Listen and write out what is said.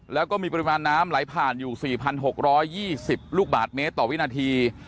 แล้วก็มีปริมาณน้ำไหลผ่านอยู่๔๖๒๐ลูกบาทเมตรต่อวินาที